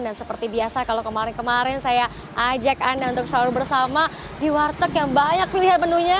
dan seperti biasa kalau kemarin kemarin saya ajak anda untuk sahur bersama di warteg yang banyak pilihan menunya